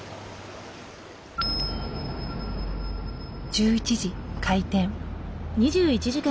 １１時開店。